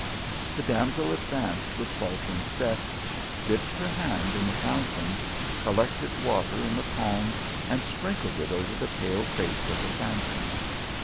The damsel advanced >vith faltering steps, dipped her hand in the fountain, collected water in the palm, and sprinkled it over the pale face of the phantom.